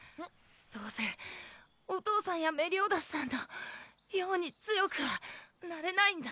どうせお父さんやメリオダスさんのように強くはなれないんだ